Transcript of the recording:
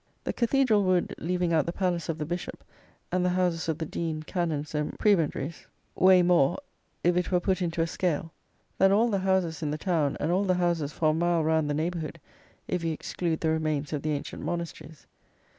The cathedral would, leaving out the palace of the bishop, and the houses of the dean, canons, and prebendaries, weigh more, if it were put into a scale, than all the houses in the town, and all the houses for a mile round the neighbourhood if you exclude the remains of the ancient monasteries.